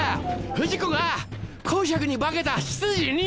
不二子が侯爵に化けた執事に！